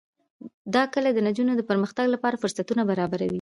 دا کلي د نجونو د پرمختګ لپاره فرصتونه برابروي.